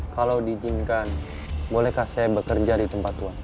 kalau diizinkan bolehkah saya bekerja di tempat tua